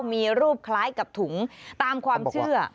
มีรูปคล้ายกับถุงตามความเชื่อ